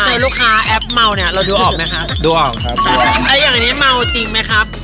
เจอลูกค้าแอปเมาเรารู้กันไหมครับ